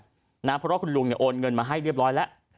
เพราะว่าคุณลุงโอนเงินมาให้เรียบร้อยแล้ว